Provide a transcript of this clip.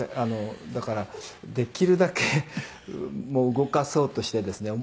「だからできるだけ動かそうとしてですね。